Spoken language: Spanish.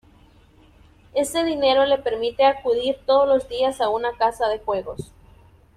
Ese dinero le permite acudir todos los días a una casa de juegos.